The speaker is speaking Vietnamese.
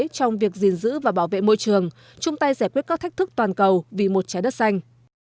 trong việc gìn giữ và bảo vệ môi trường chung tay giải quyết các thách thức toàn cầu vì một trái đất xanh